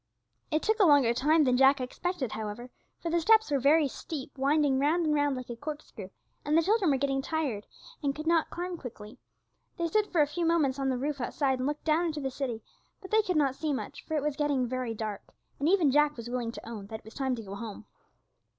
It took a longer time than Jack expected, however, for the steps were very steep, winding round and round like a corkscrew, and the children were tired, and could not climb quickly. They stood for a few moments on the roof outside and looked down into the city, but they could not see much, for it was getting very dark, and even Jack was willing to own that it was time to go home.